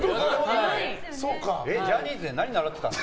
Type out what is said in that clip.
ジャニーズで何習っていたの？